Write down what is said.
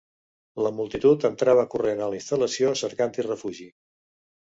La multitud entrava corrent a l'estació, cercant-hi refugi